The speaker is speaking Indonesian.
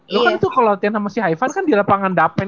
lu kan itu kalau diantara si haivan kan di lapangan dapet